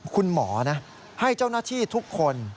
คุณหมอนะให้เจ้าหน้าที่ทุกคน